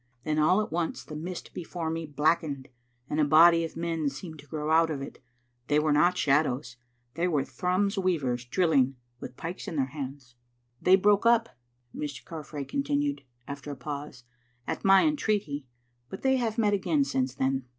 Then all at once the mist before me blackened, and a body of men seemed to grow out of it. They were not shadows; they were Thrums weavers drilling, with pikes in their hands. "They broke up," Mr. Carfrae continued, after a pause, "at my entreaty, but they have met again since then."